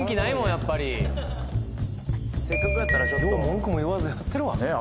やっぱりせっかくやったらちょっとよう文句も言わずやってるわねえ